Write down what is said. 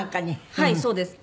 はいそうです。